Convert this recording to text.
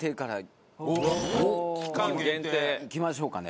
おお。いきましょうかね。